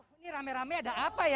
ini rame rame ada apa ya